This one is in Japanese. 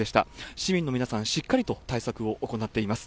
市民の皆さん、しっかりと対策を行っています。